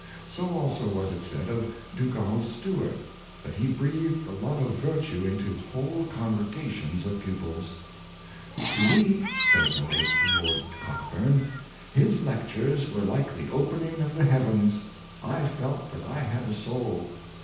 So also was it said* of Dugald Stewart, that he breathed the love of virtue into whole congregations of pupils. " To me," says the late Lord Cockburn, " his lectures were like the opening of the heavens. I felt that I had a soul.